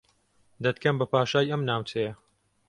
دەتکەم بە پاشای ئەم ناوچەیە